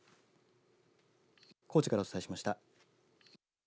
高知からお伝えしました。